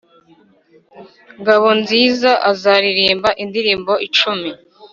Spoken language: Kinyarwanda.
Ngabonziza azaririmba indirimbo icumi